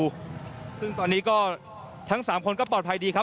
ซึ่งตอนนี้ก็ทั้ง๓คนก็ปลอดภัยดีครับ